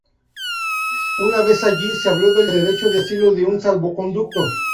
Una vez allí, se habló del derecho de asilo y de un salvoconducto.